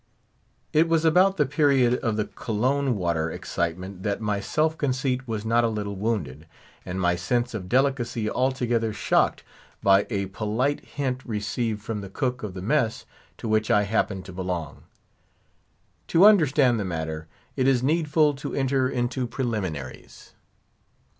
It was about the period of the Cologne water excitement that my self conceit was not a little wounded, and my sense of delicacy altogether shocked, by a polite hint received from the cook of the mess to which I happened to belong. To understand the matter, it is needful to enter into preliminaries.